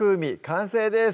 完成です